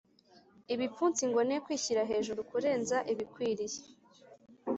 ibipfunsi ngo ne kwishyira hejuru kurenza ibikwiriye